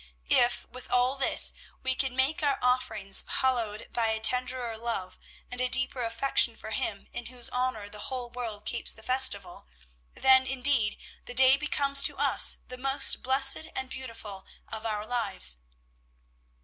If, with all this, we can make our offerings hallowed by a tenderer love and a deeper affection for Him in whose honor the whole world keeps the festival, then, indeed, the day becomes to us the most blessed and beautiful of our lives!